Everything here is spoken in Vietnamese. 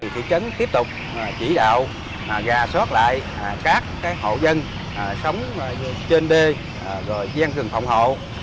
thị trấn tiếp tục chỉ đạo gà xót lại các hộ dân sống trên đê gian gần phòng hộ